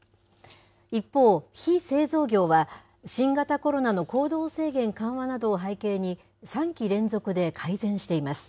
一方、非製造業は新型コロナの行動制限緩和などを背景に、３期連続で改善しています。